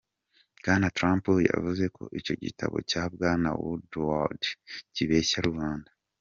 Bwana Trump yavuze ko icyo gitabo cya Bwana Woodward "kibeshya rubanda.